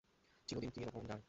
চিরদিন কি এরকম যায়?